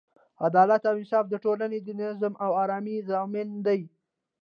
عدالت او انصاف د ټولنې د نظم او ارامۍ ضامن دی.